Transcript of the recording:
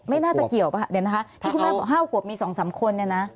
ไม่น่าจะเกี่ยวป่ะเดี๋ยวนะคะที่คุณแม่บอก๕ขวบมี๒๓คนเนี่ยนะ